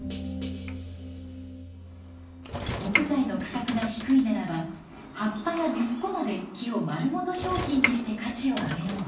木材の価格が低いならば葉っぱや根っこまで木をまるごと商品にして価値を上げよう。